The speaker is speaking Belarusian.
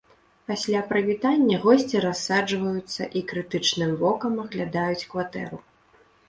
Пасля прывітання госці рассаджваюцца і крытычным вокам аглядаюць кватэру.